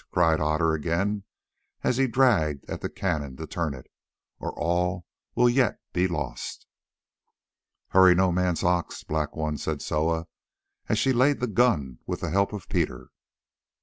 cried Otter again as he dragged at the cannon to turn it, "or all will yet be lost." "Hurry no man's ox, Black One," said Soa, as she laid the gun with the help of Peter.